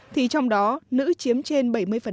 thì trong đó nữ chiếm trên bảy mươi